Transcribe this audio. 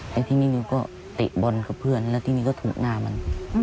แต่ทีนี้หนูก็เตะบอลกับเพื่อนแล้วทีนี้ก็ถูกหน้ามัน